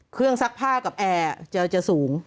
เครื่องซักผ้ากับแอร์จะสูง